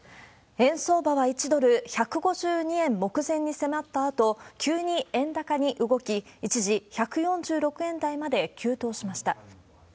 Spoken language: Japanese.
円相場は１ドル１５２円目前に迫ったあと、急に円高に動き、一時１４６円台まで急騰しました。